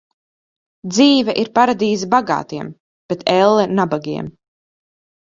Dzīve ir paradīze bagātiem, bet elle nabagiem.